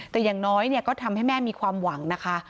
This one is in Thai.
แต่อย่างน้อยก็ทำให้แม่มีความหวังนะคะ